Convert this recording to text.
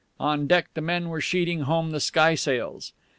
On deck the men were sheeting home the skysails.